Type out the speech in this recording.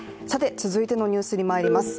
続いてのニュースにまいります。